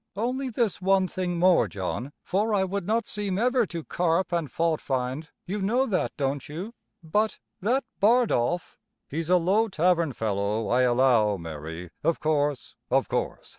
Only this one thing more, John, for I would not seem ever to carp and faultfind you know that, don't you? but that Bardolph " "He's a low tavern fellow, I allow, Mary of course, of course.